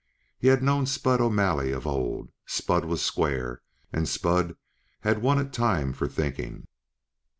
He had known Spud O'Malley of old. Spud was square and Spud had wanted time for thinking.